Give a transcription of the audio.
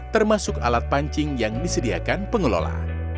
termasuk alat pancing yang disediakan pengelola